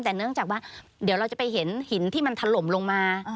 แต่เนื่องจากว่าเดี๋ยวเราจะไปเห็นหินที่มันถล่มลงมา